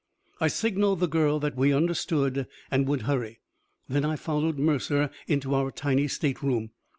I signaled the girl that we understood, and would hurry. Then I followed Mercer into our tiny stateroom.